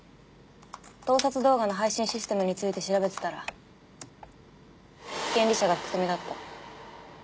盗撮動画の配信システムについて調べてたら権利者が福富だった。